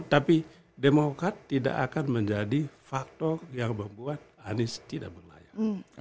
tapi demokrat tidak akan menjadi faktor yang membuat anies tidak berlayar